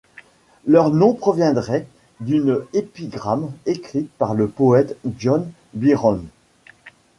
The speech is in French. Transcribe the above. Leur nom proviendrait d'une épigramme écrite par le poète John Byrom.